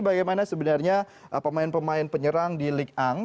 bagaimana sebenarnya pemain pemain penyerang di ligue satu